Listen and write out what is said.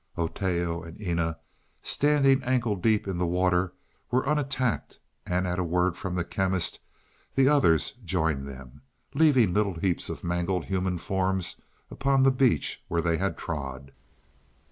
Oteo and Eena, standing ankle deep in the water, were unattacked, and at a word from the Chemist the others joined them, leaving little heaps of mangled human forms upon the beach where they had trod.